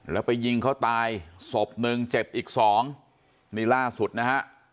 แล้วไปยิงเขาตายศพหนึ่งเจ็บอีกสองนี่ล่าสุดนะฮะ